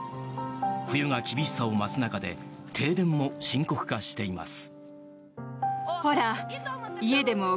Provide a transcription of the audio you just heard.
冬が厳しさを増す中で停電も深刻化しています。